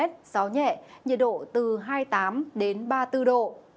gió nhẹ nhiệt độ từ hai mươi tám đến ba mươi bốn độ